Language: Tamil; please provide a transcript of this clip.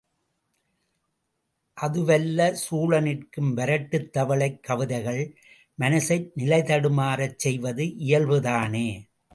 அதுவல்ல சூழ நிற்கும் வரட்டுத் தவளைக் கவிதைகள் மனசை நிலைதடுமாறச் செய்வது இயல்பு தானே.